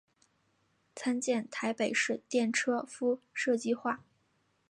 参见台北市电车敷设计画。